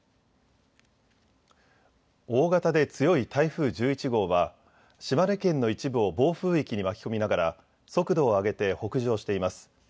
大型で強い台風１１号は島根県の一部を暴風域に巻き込みながら速度を上げて北上しています。